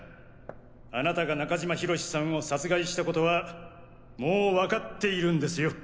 あなたが中島敬史さんを殺害したことはもうわかっているんですよ。